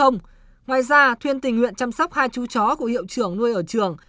ngoài ra thuyên tình nguyện chăm sóc hai chú chó của hiệu trưởng nuôi ở trường